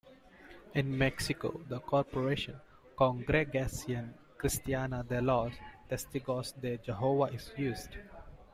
In Mexico the corporation, "Congregación Cristiana de los Testigos de Jehová", is used.